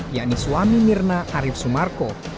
yakni suami mirna arief sumarko